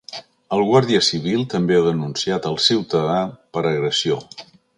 El guàrdia civil també ha denunciat el ciutadà per agressió.